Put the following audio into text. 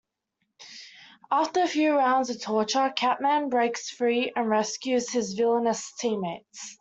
After a few rounds of torture, Catman breaks free and rescues his villainous teammates.